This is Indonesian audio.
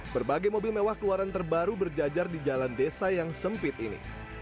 berbagai mobil mewah keluaran terbaru berjajar di jalan desa yang sempit ini